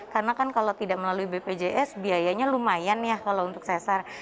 karena kan kalau tidak melalui bpjs biayanya lumayan ya kalau untuk sesar